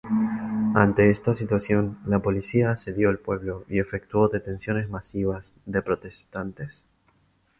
Ante esta situación, la policía asedió el pueblo y efectuó detenciones masivas de protestantes.